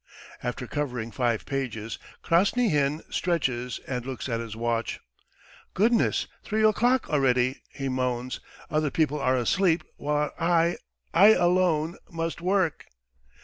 After covering five pages, Krasnyhin stretches and looks at his watch. "Goodness, three o'clock already," he moans. "Other people are asleep while I ... I alone must work!"